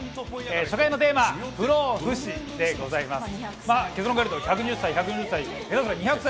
初回のテーマ「不老不死」でございます。